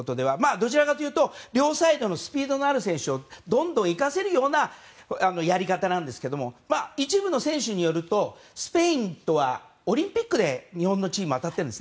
どちらかというと両サイドのスピードのある選手をどんどん生かせるようなやり方なんですけど一部の選手によるとスペインとはオリンピックで日本のチーム当たっています。